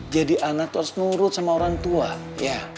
jadi anak itu harus nurut sama orang tua ya